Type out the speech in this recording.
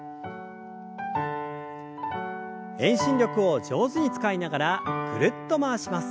遠心力を上手に使いながらぐるっと回します。